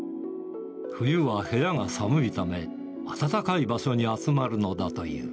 冬は部屋が寒いため、暖かい場所に集まるのだという。